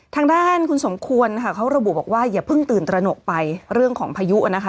ทางด้านคุณสมควรค่ะเขาระบุบอกว่าอย่าเพิ่งตื่นตระหนกไปเรื่องของพายุนะคะ